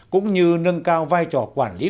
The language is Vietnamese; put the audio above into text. cũng như nâng cao vai trò quản lý